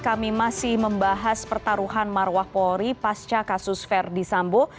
kami masih membahas pertaruhan marwah polri pasca kasus verdi sambo